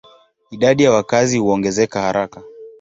Idadi ya wakazi huongezeka haraka.